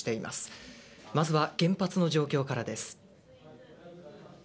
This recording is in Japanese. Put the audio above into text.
まずは原発の状況からです。